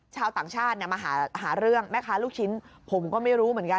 ชาวต่างชาติมาหาเรื่องแม่ค้าลูกชิ้นผมก็ไม่รู้เหมือนกัน